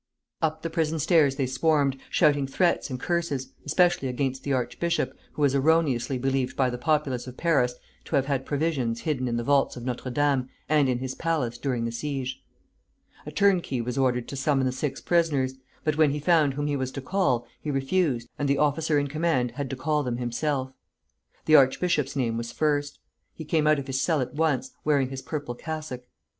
Up the prison stairs they swarmed, shouting threats and curses, especially against the archbishop, who was erroneously believed by the populace of Paris to have had provisions hidden in the vaults of Notre Dame and in his palace during the siege. A turnkey was ordered to summon the six prisoners; but when he found whom he was to call, he refused, and the officer in command had to call them himself. The archbishop's name was first. He came out of his cell at once, wearing his purple cassock.